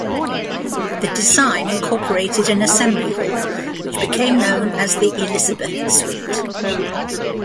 The design incorporated an assembly hall which became known as the Elizabeth Suite.